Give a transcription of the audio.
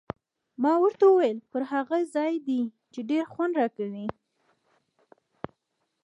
ما ورته وویل: پر هغه ځای دې، چې ډېر خوند راکوي.